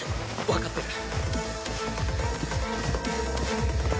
分かってる。